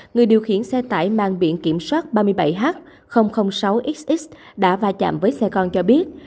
người điều khiển xe tải mang biển kiểm soát ba mươi bảy h sáu xx đã va chạm với xe con cho biết